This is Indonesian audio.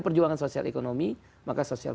perjuangan sosial ekonomi maka sosial